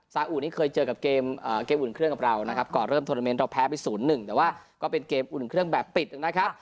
อูนี่เคยเจอกับเกมอุ่นเครื่องกับเรานะครับก่อนเริ่มโทรเมนต์เราแพ้ไป๐๑แต่ว่าก็เป็นเกมอุ่นเครื่องแบบปิดนะครับ